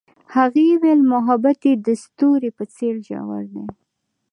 هغې وویل محبت یې د ستوري په څېر ژور دی.